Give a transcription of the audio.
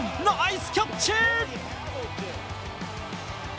ナイスキャッチ！